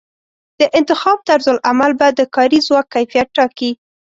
د انتخاب طرزالعمل به د کاري ځواک کیفیت ټاکي.